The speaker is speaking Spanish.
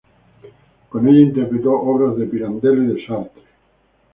Con ella interpretó obras de Pirandello y de Sartre.